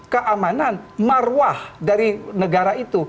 keamanan marwah dari negara itu